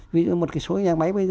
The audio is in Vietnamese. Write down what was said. vì một số nhà máy bây giờ